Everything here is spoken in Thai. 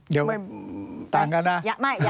เดี๋ยวไม่ต่างกันนะ